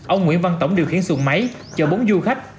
ông nguyễn văn tổng điều khiển xuồng máy chở bốn du khách